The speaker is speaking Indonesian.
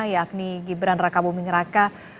yakni gibran raka buming raka